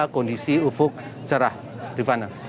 kondisi ufuk cerah di vanang